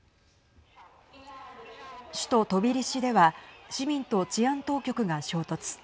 首都トビリシでは市民と治安当局が衝突。